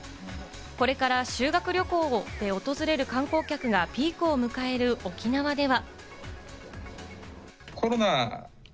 これから修学旅行で訪れる観光客がピークを迎える沖縄では。